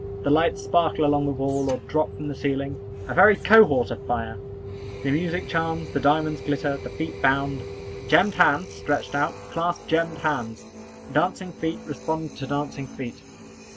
The lights sparkle along the wall, or drop from the ceiling a very cohort of fire! The music charms. The diamonds glitter. The feet bound. Gemmed hands, stretched out, clasp gemmed hands. Dancing feet respond to dancing feet.